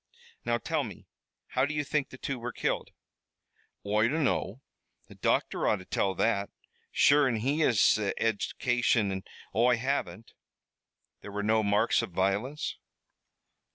"Now, tell me, how do you think the two were killed?" "Oi dunno. The docther ought to tell that sure an' he has the eddication, an' Oi haven't." "There were no marks of violence?"